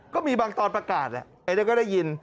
ก็มีบางตอนประกาศไอ้เดี๋ยวก็ได้ยิน